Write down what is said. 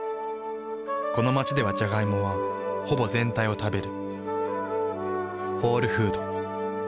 この街ではジャガイモはほぼ全体を食べる。